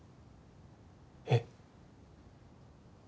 えっ？